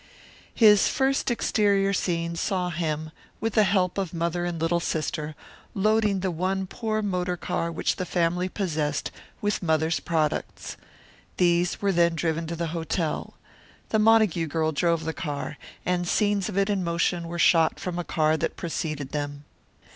His first exterior scene saw him, with the help of Mother and little sister, loading the one poor motor car which the family possessed with Mother's products. These were then driven to the hotel. The Montague girl drove the car, and scenes of it in motion were shot from a car that preceded them.